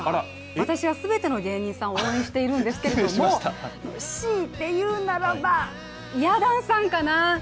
私は全ての芸人さんを応援しているんですけれども強いて言うならば、や団さんかな。